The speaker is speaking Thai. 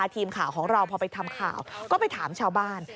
ทีมข่าวของเราพอไปทำข่าวก็ไปถามชาวบ้าน